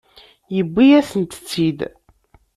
Yewwi-yasent-tt-id.